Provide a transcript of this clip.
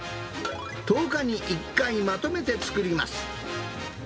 １０日に１回、まとめて作ります。